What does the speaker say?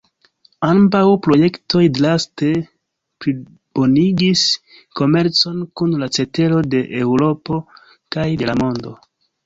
Ambaŭ projektoj draste plibonigis komercon kun la cetero de Eŭropo kaj de la mondo.